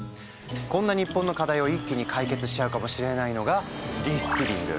こんな日本の課題を一気に解決しちゃうかもしれないのがリスキリング。